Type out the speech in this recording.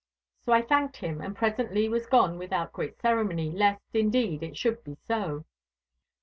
So I thanked him and presently was gone without great ceremony, lest, indeed, it should be so.